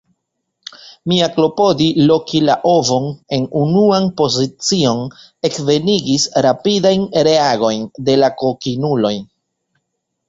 Mia klopodo loki la ovon en unuan pozicion ekvenigis rapidajn reagojn de la kokinuloj.